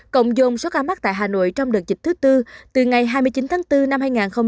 cộng dồn số ca mắc tại hà nội trong đợt dịch thứ tư từ ngày hai mươi chín tháng bốn năm hai nghìn hai mươi